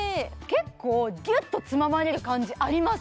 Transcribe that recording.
結構ぎゅっとつままれる感じあります